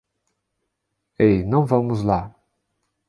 Ei, não vamos lá!